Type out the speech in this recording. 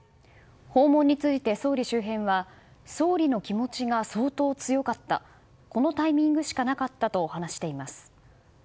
訪問について総理周辺は総理の気持ちが相当強かったこのタイミングしかなかったと話しています。